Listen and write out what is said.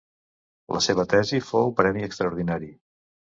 La seva tesi fou premi extraordinari.